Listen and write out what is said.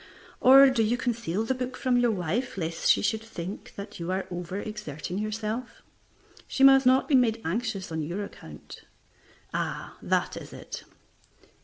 Or, do you conceal the book from your wife lest she should think that you are over exerting yourself? She must not be made anxious on your account. Ah, that is it.